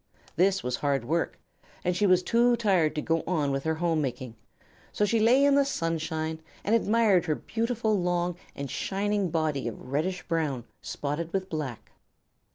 This was hard work, and she was too tired to go on with her home making, so she lay in the sunshine and admired her beautiful, long, and shining body of reddish brown spotted with black.